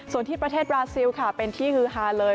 ส่วนที่ประเทศบราซิลค่ะเป็นที่ฮือฮาเลย